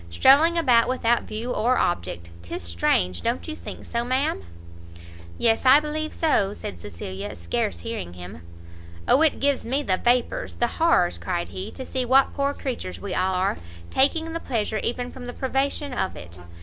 strolling about without view or object! 'tis strange! don't you think so, ma'am?" "Yes, I believe so," said Cecilia, scarce hearing him. "O it gives me the vapours, the horrors," cried he, "to see what poor creatures we all are! taking pleasure even from the privation of it!